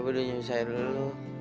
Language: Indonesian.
tante jangan nyusah dulu